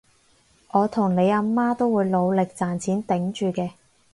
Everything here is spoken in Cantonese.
我同你阿媽都會努力賺錢頂住嘅